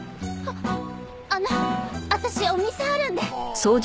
あの私お店あるんで。